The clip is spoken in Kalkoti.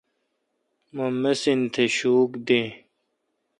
مہ مسین تھ شوک دین۔